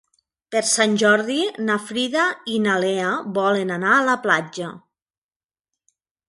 Per Sant Jordi na Frida i na Lea volen anar a la platja.